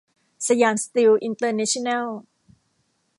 สยามสตีลอินเตอร์เนชั่นแนล